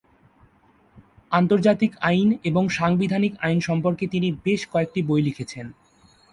আন্তর্জাতিক আইন এবং সাংবিধানিক আইন সম্পর্কে তিনি বেশ কয়েকটি বই লিখেছেন।